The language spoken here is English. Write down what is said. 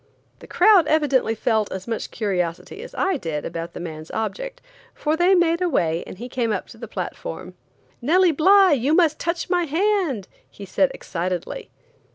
The crowd evidently felt as much curiosity as I did about the man's object, for they made a way and he came up to the platform. "Nellie Bly, you must touch my hand," he said, excitedly.